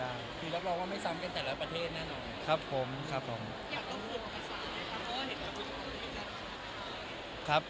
อยากควบคุมกับภาษาไงก็เห็นครับได้พูดกันอีกครับ